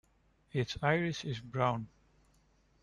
Its iris is brown.